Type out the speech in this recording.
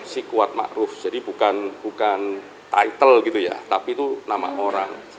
sikuat makruh jadi bukan title gitu ya tapi itu nama orang